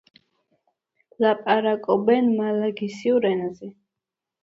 ლაპარაკობენ მალაგასიურ ენაზე.